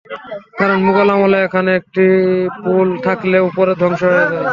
কারণ মোগল আমলে এখানে একটি পুল থাকলেও পরে ধ্বংস হয়ে যায়।